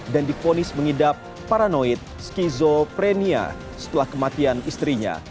dan diponis mengidap paranoid skizoprenia setelah kematian istrinya